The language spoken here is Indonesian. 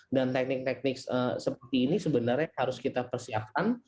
dan teknik teknik seperti ini sebenarnya harus kita persiapkan